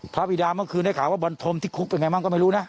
บิดาเมื่อคืนได้ข่าวว่าบอลธมที่คุกเป็นไงบ้างก็ไม่รู้นะ